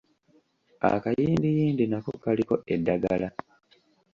Akayindiyindi nako kaliko eddagala.